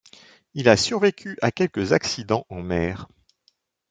Il a survécu à quelques accidents en mer.